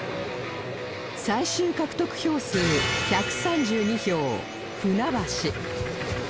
最終獲得票数１３２票船橋